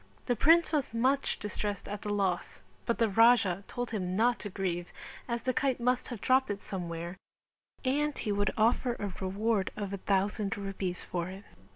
The prince was much distressed at the loss but the Raja told him not to grieve as the kite must have dropped it somewhere and he would offer a reward of a thousand rupees for it.